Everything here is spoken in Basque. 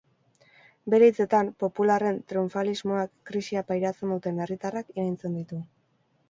Bere hitzetan, popularren triunfalismoak krisia pairatzen duten herritarrak iraintzen ditu.